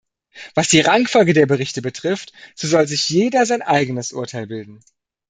Was die Rangfolge der Berichte betrifft, so soll sich jeder sein eigenes Urteil bilden.